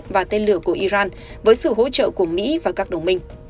và tên lửa của iran với sự hỗ trợ của mỹ và các đồng minh